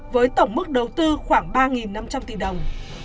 với tổng mức đầu tư khoảng ba năm trăm linh tỷ đồng